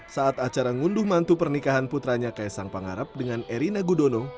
saat acara ngunduh mantu pernikahan putranya kaisang pangarep dengan erina gudono